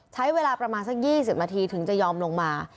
ใช้เวลาประมาณสัก๒๐นาทีถึงจะยอมลงมา